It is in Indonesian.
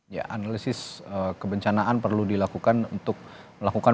ya analisis kebencanaan perlu dilakukan untuk melakukan